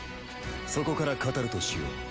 そこから語るとしよう。